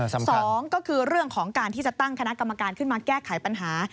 สองก็คือเรื่องของการที่จะตั้งคณะกรรมการขึ้นมาแก้ไขปัญหา